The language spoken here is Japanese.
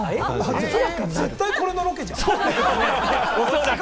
絶対これのロケじゃん！